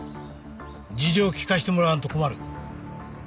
事情を聴かせてもらわんと困る。